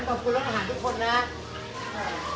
ขอบคุณรัฐอาหารทุกคนนะครับ